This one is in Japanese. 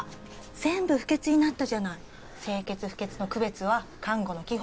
全部不潔になったじゃない清潔不潔の区別は看護の基本！